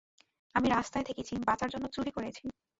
আমি রাস্তায় থেকেছি, বাচার জন্য চুরি করেছি।